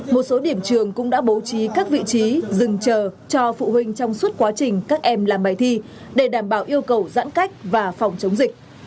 một số điểm trường cũng đã bố trí các vị trí dừng chờ cho phụ huynh trong suốt quá trình các em làm bài thi để đảm bảo yêu cầu giãn cách và phòng chống dịch